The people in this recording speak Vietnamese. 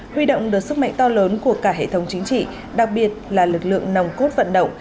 huy động được sức mạnh to lớn của cả hệ thống chính trị đặc biệt là lực lượng nòng cốt vận động